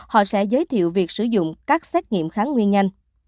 họ sẽ giới thiệu việc sử dụng các xét nghiệm kháng nguyên nhanh